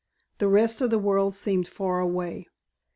The rest of the world seemed far away.